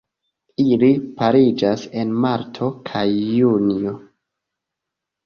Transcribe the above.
Ili pariĝas en marto kaj junio.